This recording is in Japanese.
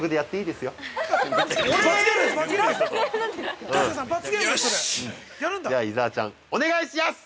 ◆では伊沢ちゃん、お願いしやす。